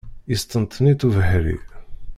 Yesṭenṭen-itt ubeḥri.